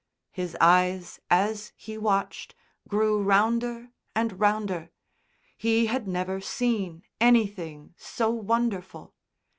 His eyes, as he watched, grew rounder and rounder; he had never seen anything so wonderful.